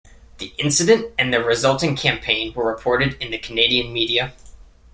The incident and the resulting campaign were reported in the Canadian media.